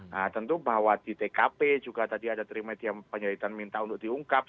nah tentu bahwa di tkp juga tadi ada trimedia penyelidikan minta untuk diungkap